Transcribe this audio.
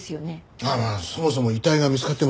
まあまあそもそも遺体が見つかってませんからね。